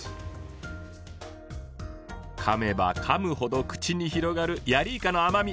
かめばかむほど口に広がるヤリイカの甘み。